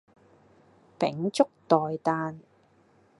秉燭待旦